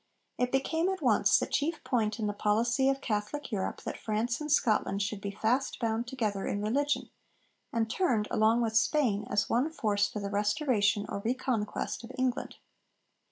It became at once the chief point in the policy of Catholic Europe that France and Scotland should be fast bound together in religion and turned, along with Spain, as one force for the restoration or re conquest of England.